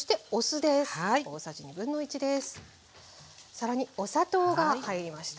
更にお砂糖が入りました。